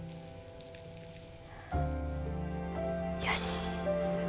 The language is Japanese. よし。